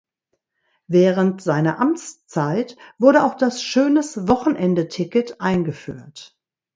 Während seiner Amtszeit wurde auch das Schönes-Wochenende-Ticket eingeführt.